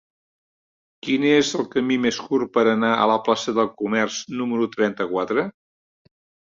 Quin és el camí més curt per anar a la plaça del Comerç número trenta-quatre?